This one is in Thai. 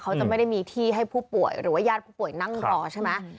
เขาจะไม่ได้มีที่ให้ผู้ป่วยหรือว่าญาติผู้ป่วยนั่งรอใช่ไหม